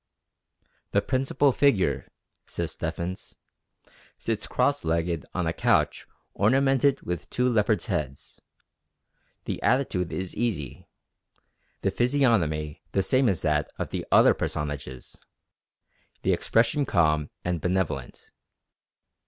"The principal figure," says Stephens, "sits cross legged on a couch ornamented with two leopard's heads; the attitude is easy, the physiognomy the same as that of the other personages, the expression calm and benevolent....